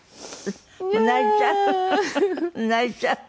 泣いちゃう？